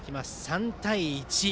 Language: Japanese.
３対１。